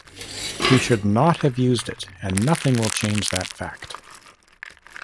He should not have used it and nothing will change that fact.